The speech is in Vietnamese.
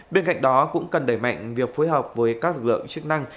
bên cạnh đó cũng cần đẩy mạnh việc phối hợp với các lực lượng chức năng